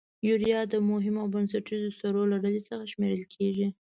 یوریا د مهمو او بنسټیزو سرو له ډلې څخه شمیرل کیږي.